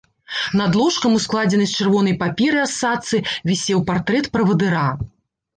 Над ложкам у складзенай з чырвонай паперы асадцы вісеў партрэт правадыра.